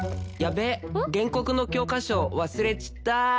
現国の教科書忘れちった。